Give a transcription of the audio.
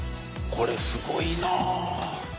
これすごいな。